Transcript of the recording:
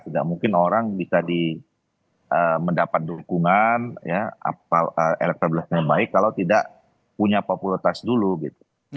tidak mungkin orang bisa mendapat dukungan elektabilitasnya baik kalau tidak punya popularitas dulu gitu